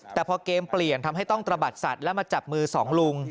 แต่พอเกมเปลี่ยนทำให้ต้องตระบัดสัตว์แล้วมาจับมือสองลุง